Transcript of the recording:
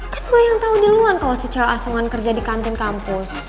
kan gue yang tau duluan kalau si cewek asongan kerja di kantin kampus